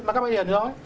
mà các bạn đều nói